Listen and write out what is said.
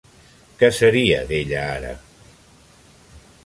Què seria d'ella ara?